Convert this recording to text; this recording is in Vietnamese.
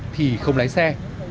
thì không lái xe